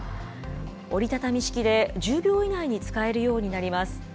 折り畳み式で、１０秒以内に使えるようになります。